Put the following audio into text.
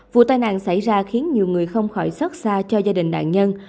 vụ tai nạn xảy ra khiến nhiều người không khỏi xót xa cho gia đình nạn nhân